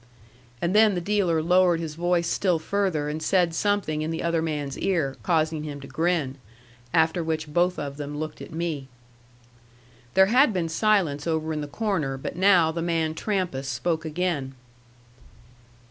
And then the dealer lowered his voice still further and said something in the other man's ear, causing him to grin. After which both of them looked at me. There had been silence over in the corner; but now the man Trampas spoke again.